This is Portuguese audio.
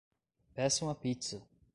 Peça uma pizza.